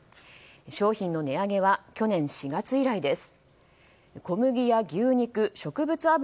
商品の値上げは去年４月以来です。